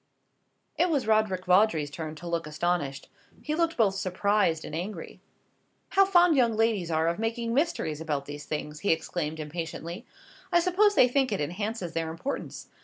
It was Roderick Vawdrey's turn to look astonished. He looked both surprised and angry. "How fond young ladies are of making mysteries about these things," he exclaimed impatiently; "I suppose they think it enhances their importance.